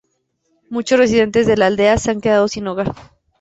Muchos residentes de la aldea se han quedado sin hogar.